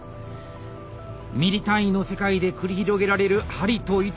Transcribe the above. ミリ単位の世界で繰り広げられる針と糸。